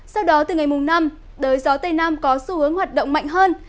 sau đó từ ngày mùng năm đời gió tây nam có xu hướng hoạt động mạnh hơn